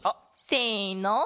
せの！